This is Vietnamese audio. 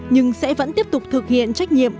nhưng sẽ vẫn tiếp tục thực hiện trách nhiệm